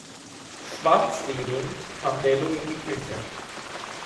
Schwanzwedelnd kam Bello in die Küche.